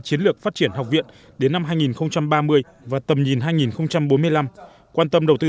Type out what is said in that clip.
chiến lược phát triển học viện đến năm hai nghìn ba mươi và tầm nhìn hai nghìn bốn mươi năm quan tâm đầu tư